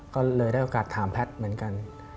ก็เลยได้โอกาสถามแพทย์เหมือนกัน